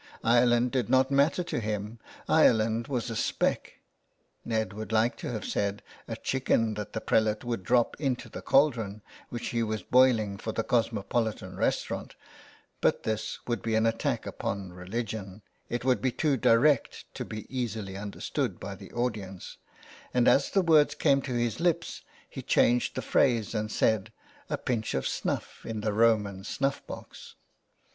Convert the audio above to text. Ireland did not matter to him, Ireland was a speck — Ned would like to have said, a chicken that the prelate would drop into the caldron which he was boiling for the cosmopolitan restaurant ; but this would be an attack upon religion, it would be too direct to be easily understood by the audience, and as the words came to his lips he changed the phrase and said, ''a pinch of snuff in the Roman snuff box."